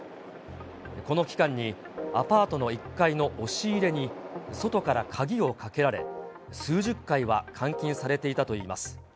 この期間に、アパートの１階の押し入れに外から鍵をかけられ、数十回は監禁されていたといいます。